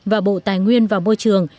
và bộ tài nguyên và môi trường